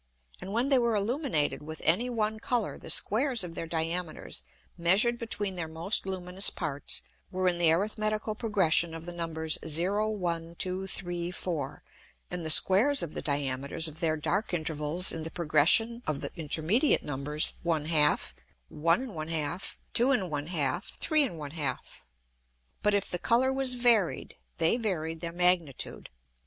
And when they were illuminated with any one Colour, the Squares of their Diameters measured between their most luminous Parts, were in the arithmetical Progression of the Numbers, 0, 1, 2, 3, 4 and the Squares of the Diameters of their dark Intervals in the Progression of the intermediate Numbers 1/2, 1 1/2, 2 1/2, 3 1/2. But if the Colour was varied, they varied their Magnitude.